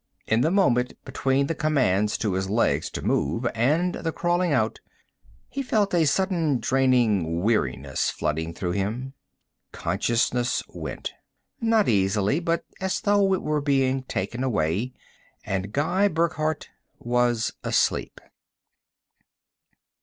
In the moment between the command to his legs to move and the crawling out, he felt a sudden draining weariness flooding through him. Consciousness went not easily, but as though it were being taken away, and Guy Burckhardt was asleep.